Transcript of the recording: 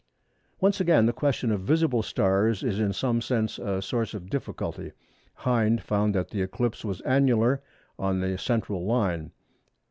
Once again the question of visible stars is in some sense a source of difficulty. Hind found that the eclipse was annular on the central line.